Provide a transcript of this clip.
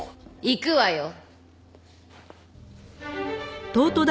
行くわよ！